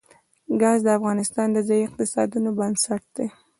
ګاز د افغانستان د ځایي اقتصادونو بنسټ دی.